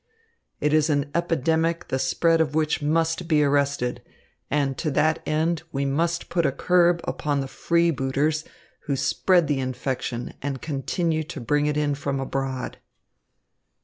It is an epidemic the spread of which must be arrested, and to that end we must put a curb upon the freebooters who spread the infection and continue to bring it in from abroad."